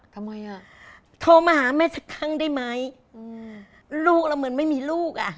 ทำไมอ่ะโทรมาหาแม่สักครั้งได้ไหมอืมลูกเราเหมือนไม่มีลูกอ่ะ